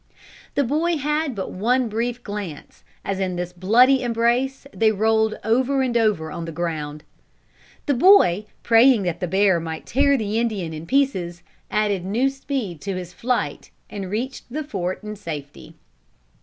The boy had but one brief glance, as in this bloody embrace they rolled over and over on the ground. The boy, praying that the bear might tear the Indian in pieces, added new speed to his flight and reached the fort in safety.